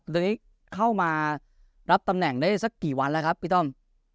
ตอนนี้เข้ามารับตำแหน่งได้สักกี่วันแล้วครับพี่ต้อม